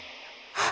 あ。